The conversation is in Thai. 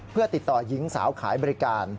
เพื่อติดต่อหญิงสาวขายบริการ